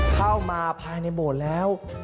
เข้ามาภายในโบสถ์แล้ว